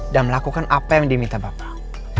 dan melakukan apa yang diminta bapak